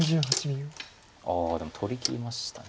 ああでも取りきりました。